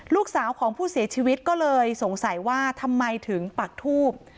ลูกสาวของผู้เสียชีวิตก็เลยสงสัยว่าทำไมถึงปักทูบ